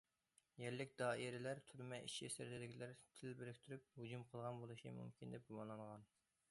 يەرلىك دائىرىلەر تۈرمە ئىچى- سىرتىدىكىلەر تىل بىرىكتۈرۈپ ھۇجۇم قىلغان بولۇشى مۇمكىن دەپ گۇمانلانغان.